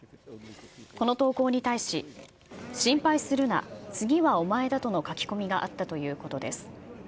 この投稿に対し、心配するな、次はお前だとの書き込みがあったということです。